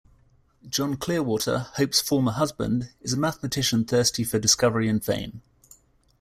John Clearwater, Hope's former husband, is a mathematician thirsty for discovery and fame.